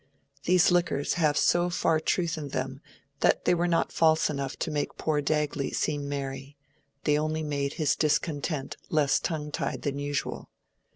These liquors have so far truth in them that they were not false enough to make poor Dagley seem merry: they only made his discontent less tongue tied than usual.